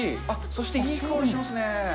そしていい香りしますね。